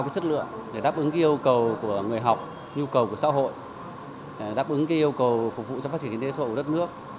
đáp ứng sức lượng đáp ứng yêu cầu của người học nhu cầu của xã hội đáp ứng yêu cầu phục vụ cho phát triển kinh tế xã hội của đất nước